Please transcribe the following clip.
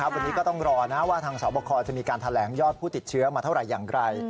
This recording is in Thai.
วันนี้ก็ต้องรอนะว่าทางสอบคอจะมีการแถลงยอดผู้ติดเชื้อมาเท่าไหร่อย่างไร